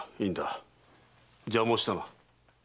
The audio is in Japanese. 邪魔をしたな。